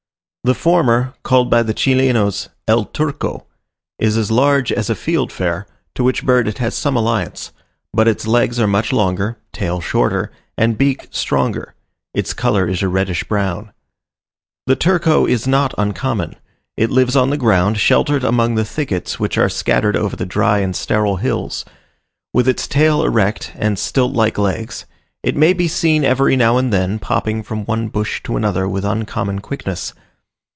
The former, called by the Chilenos "el Turco," is as large as a fieldfare, to which bird it has some alliance; but its legs are much longer, tail shorter, and beak stronger: its colour is a reddish brown. The Turco is not uncommon. It lives on the ground, sheltered among the thickets which are scattered over the dry and sterile hills. With its tail erect, and stilt like legs, it may be seen every now and then popping from one bush to another with uncommon quickness.